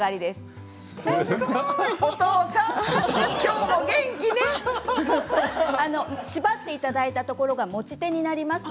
笑い声縛っていただいたところが持ち手になります。